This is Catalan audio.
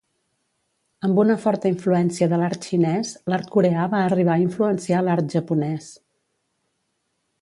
Amb una forta influència de l'art xinès, l'art coreà va arribar a influenciar l'art japonés.